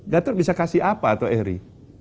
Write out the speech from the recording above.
gator bisa kasih apa atau eri